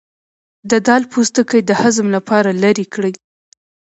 د دال پوستکی د هضم لپاره لرې کړئ